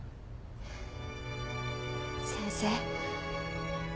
先生。